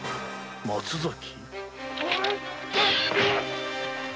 松崎！